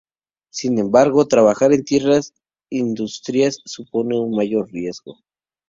Sin embargo, trabajar en ciertas industrias supone un mayor riesgo.